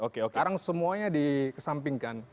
sekarang semuanya dikesampingkan